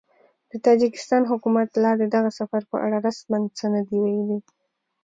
د تاجکستان حکومت لا د دغه سفر په اړه رسماً څه نه دي ویلي